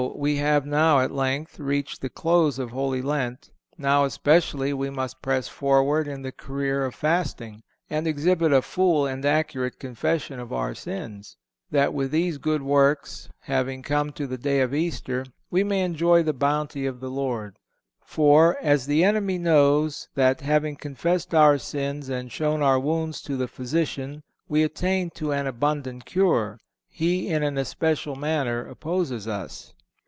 we have now, at length, reached the close of Holy Lent; now especially we must press forward in the career of fasting, ... and exhibit a full and accurate confession of our sins, ... that with these good works, having come to the day of Easter, we may enjoy the bounty of the Lord.... For, as the enemy knows that having confessed our sins and shown our wounds to the physician we attain to an abundant cure, he in an especial manner opposes us."